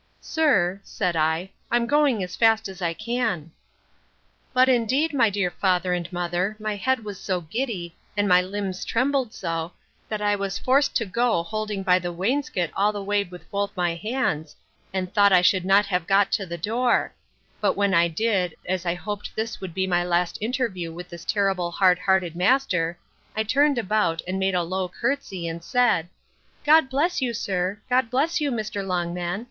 Sir, said I, I'm going as fast as I can. But, indeed, my dear father and mother, my head was so giddy, and my limbs trembled so, that I was forced to go holding by the wainscot all the way with both my hands, and thought I should not have got to the door: But when I did, as I hoped this would be my last interview with this terrible hard hearted master, I turned about, and made a low courtesy, and said, God bless you, sir! God bless you, Mr. Longman!